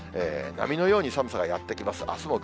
波のように寒さがやって来ます。